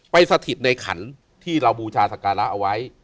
สถิตในขันที่เราบูชาสการะเอาไว้